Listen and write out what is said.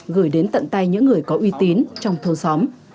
gửi đến tận tay những người có uy tín trong thôn xóm